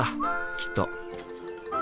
きっと。